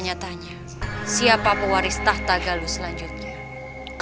aduh sakit wak